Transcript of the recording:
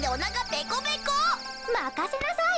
まかせなさい！